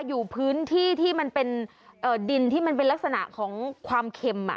อยู่พื้นที่ที่มันเป็นดินที่มันเป็นลักษณะของความเค็ม